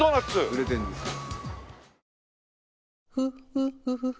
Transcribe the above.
売れてるんですよ。